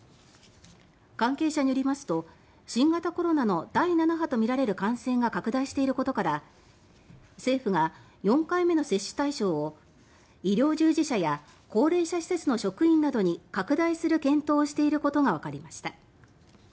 関係者によりますと新型コロナの第７波とみられる感染が拡大していることから政府が４回目の接種対象を医療従事者や高齢者施設の職員などに拡大する検討をしていることがわかりました。